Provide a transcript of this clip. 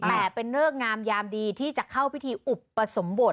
แต่เป็นเริกงามยามดีที่จะเข้าพิธีอุปสมบท